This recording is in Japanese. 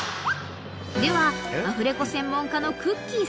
［ではアフレコ専門家のくっきー！